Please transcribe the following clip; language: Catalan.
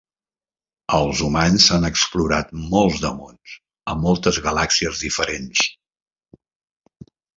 Els humans han explorat molts de mons a moltes galàxies diferents.